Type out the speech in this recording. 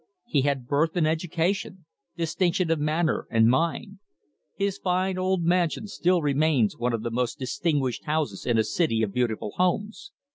He had birth and education, distinction of manner and mind. His fine old mansion still remains one of the most distinguished houses in a city of beautiful homes.